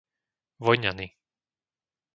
Vojňany